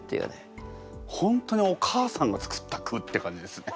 本当にお母さんが作った句って感じですね。